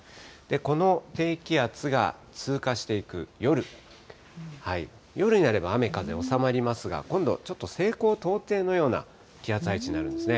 この低気圧が通過していく夜、夜になれば雨風収まりますが、今度、ちょっと西高東低のような気圧配置になるんですね。